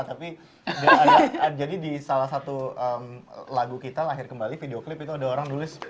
tapi jadi di salah satu lagu kita lahir kembali video klip itu ada orang nulis